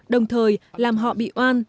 đồng thời làm họ bị oan